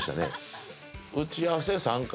打ち合わせ３回。